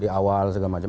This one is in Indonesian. di awal segala macam